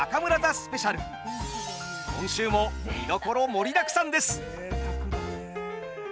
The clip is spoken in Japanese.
今週もみどころ盛りだくさんです。